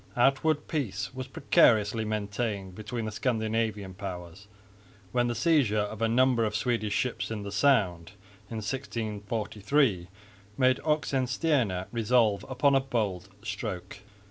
Outward peace was precariously maintained between the Scandinavian powers, when the seizure of a number of Swedish ships in the Sound in 1643 made Oxenstierna resolve upon a bold stroke.